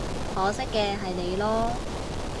可惜嘅係你囉